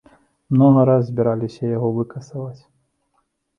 Многа раз збіраліся яго выкасаваць.